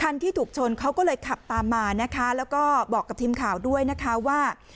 ที่ถูกชนเขาก็เลยขับตามมานะคะแล้วก็บอกกับทีมข่าวด้วยนะคะว่า